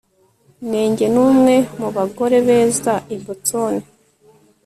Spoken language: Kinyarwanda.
nenge numwe mubagore beza i boston